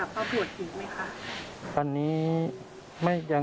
จะกลับพระบวชหิตไหมคะ